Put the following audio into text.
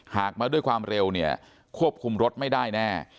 มาด้วยความเร็วเนี่ยควบคุมรถไม่ได้แน่